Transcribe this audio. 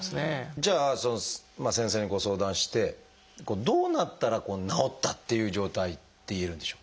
じゃあ先生にご相談してどうなったらこう治ったっていう状態っていえるんでしょう？